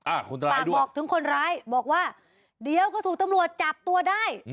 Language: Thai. อ่าคนร้ายด้วยฝากบอกถึงคนร้ายบอกว่าเดี๋ยวเขาถูกตำรวจจับตัวได้